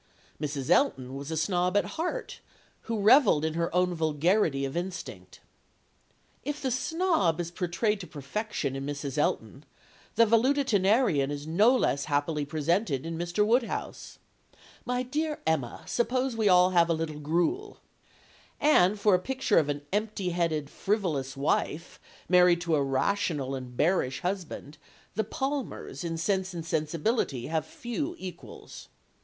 Mrs. Elton was a snob at heart, who revelled in her own vulgarity of instinct. If the snob is portrayed to perfection in Mrs. Elton, the valetudinarian is no less happily presented in Mr. Woodhouse "My dear Emma, suppose we all have a little gruel" and for a picture of an empty headed, frivolous wife married to a rational and bearish husband, the Palmers, in Sense and Sensibility, have few equals.